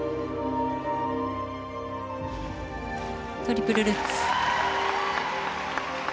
トリプルルッツ。